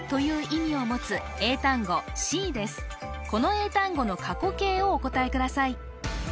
この英単語の過去形をお答えください